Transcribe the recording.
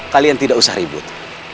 kalian tidak usah ribut